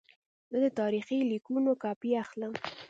زه د تاریخي لیکونو کاپي اخلم.